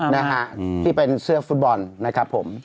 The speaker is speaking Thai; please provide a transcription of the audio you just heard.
นะฮะที่เป็นเสื้อฟุตบอลนะครับผม